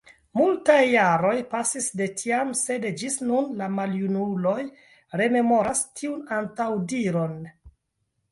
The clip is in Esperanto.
Multaj jaroj pasis de tiam, sed ĝis nun la maljunuloj rememoras tiun antaŭdiron.